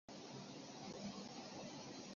看了两本很有兴趣的书